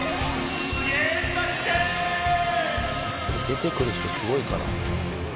「出てくる人すごいから」